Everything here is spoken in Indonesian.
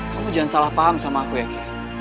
kamu jangan salah paham sama aku ya ki